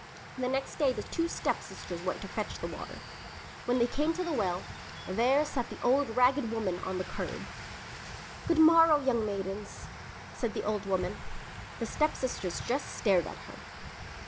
The next day the two stepsisters went to fetch the water. When they came to the well, there sat the old ragged woman on the curb. "Good morrow, young maidens," said the old woman. The stepsisters just stared at her.